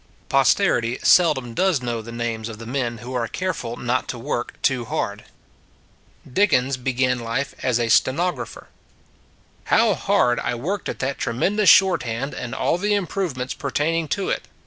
Posterity seldom does know the names of the men who are careful not to work too hard. Dickens began life as a stenographer. How hard I worked at that tremendous short hand and all the improvements pertaining to it!